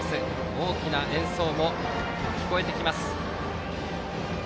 大きな演奏も聞こえてきます。